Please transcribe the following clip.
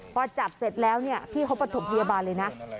พอจับเสร็จแล้วเนี่ยพี่เขาประถมพยาบาลเลยนะ